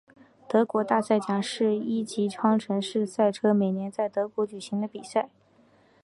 德国大奖赛是一级方程式赛车每年在德国举行的比赛。